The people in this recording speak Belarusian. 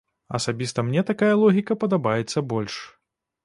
Асабіста мне такая логіка падабаецца больш.